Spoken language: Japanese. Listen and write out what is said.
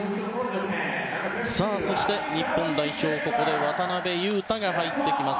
そして、日本代表はここで渡邊雄太が入ります。